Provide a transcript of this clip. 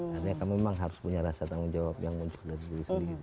karena kamu memang harus punya rasa tanggung jawab yang untuk diri sendiri